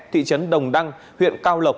thị trấn đồng đăng huyện cao lộc